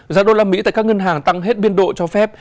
giá đô la mỹ tại các ngân hàng tăng hết biên độ cho phép